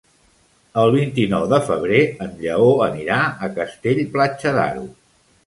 El vint-i-nou de febrer en Lleó anirà a Castell-Platja d'Aro.